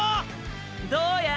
どうや！！